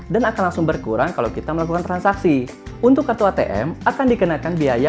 dan akan langsung berkurang kalau kita melakukan transaksi untuk kartu atm akan dikenakan biaya